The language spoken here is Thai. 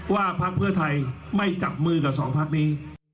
พักเพื่อไทยไม่จับมือกับสองพักนี้